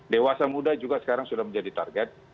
dewasa muda juga sekarang sudah menjadi target